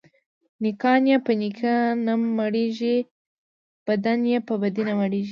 نيکان يې په نيکي نه مړېږي ، بدان يې په بدي نه مړېږي.